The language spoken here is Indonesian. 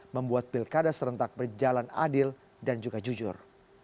membuat pilkada serentak berjalan adil dan juga jujur